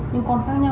nhưng còn khác nhau